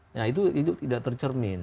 nah itu tidak tercermin